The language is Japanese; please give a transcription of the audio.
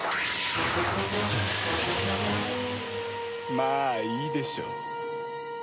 まあいいでしょう。